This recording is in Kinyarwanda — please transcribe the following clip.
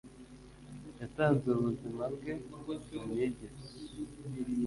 yatanze ubuzima bwe mu myigire ye